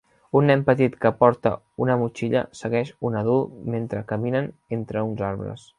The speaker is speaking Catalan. Un nen petit que porta una motxilla segueix un adult mentre caminen entre uns arbres.